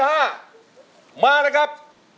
มาเลยครับ